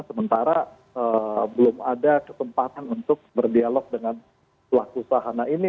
sementara belum ada kesempatan untuk berdialog dengan pelaku usaha ini